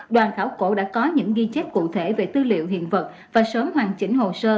đoàn khảo cổ đã có những ghi chép cụ thể về tư liệu hiện vật và sớm hoàn chỉnh hồ sơ